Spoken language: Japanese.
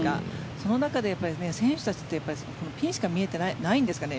その中で選手たちってピンしか見えていないんですかね